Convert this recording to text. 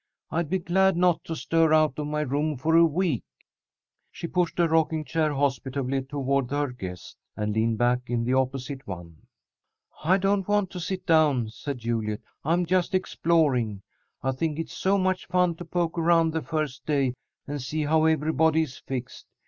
I'd be glad not to stir out of my room for a week." She pushed a rocking chair hospitably toward her guest, and leaned back in the opposite one. "I don't want to sit down," said Juliet. "I'm just exploring. I think it's so much fun to poke around the first day and see how everybody is fixed.